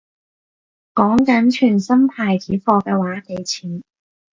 講緊全新牌子貨嘅話幾錢